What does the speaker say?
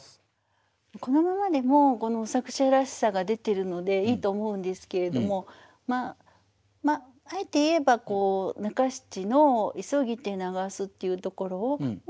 このままでも作者らしさが出てるのでいいと思うんですけれどもあえて言えば中七の「急ぎて流す」というところをなるほど。